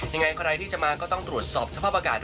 ยังไงใครที่จะมาก็ต้องตรวจสอบสภาพอากาศ